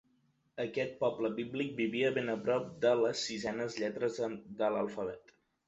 Aquest poble bíblic vivia ben a prop de les sisenes lletres de l'alfabet.